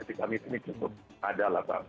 jadi kami sini cukup ada lah pak